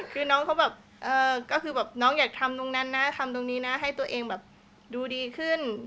คือน้องเขาแบบก็คือแบบน้องอยากทำตรงนั้นนะทำตรงนี้นะให้ตัวเองแบบดูดีขึ้น